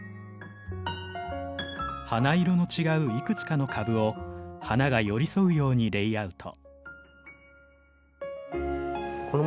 花色の違ういくつかの株を花が寄り添うようにレイアウト。